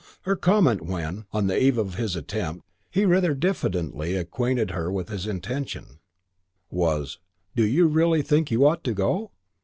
Her comment when, on the eve of his attempt, he rather diffidently acquainted her with his intention, was, "Do you really think you ought to?"